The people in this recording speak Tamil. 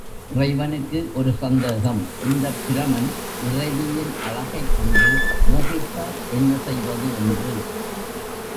இறைவனுக்கு ஒரு சந்தேகம், இந்தப் பிரமன் இறைவியின் அழகைக் கண்டு மோகித்தால் என்ன செய்வது என்று.